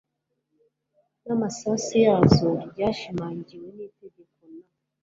n amasasu yazo ryashimangiwe n Itegeko n